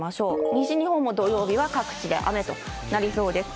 西日本も土曜日は各地で雨となりそうです。